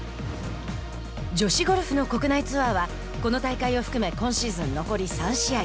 女子ゴルフの国内ツアーはこの大会を含め今シーズン残り３試合。